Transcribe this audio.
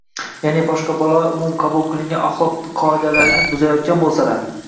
ya’ni boshqa bolalar umumqabul qilingan axloq qoidalarini buzayotgan bo‘lsalar